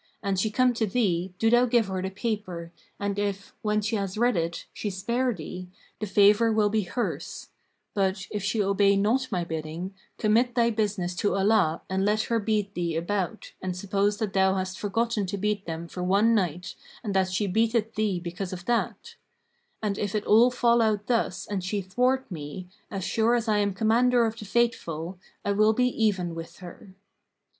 [FN#536] An she come to thee, do thou give her the paper and if, when she has read it, she spare thee, the favour will be hers; but, if she obey not my bidding, commit thy business to Allah and let her beat thee a bout and suppose that thou hast forgotten to beat them for one night and that she beateth thee because of that: and if it fall out thus and she thwart me, as sure as I am Commander of the Faithful, I will be even with her."